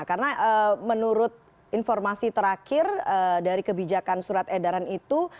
karena menurut informasi terakhir dari kebijakan surat edaran itu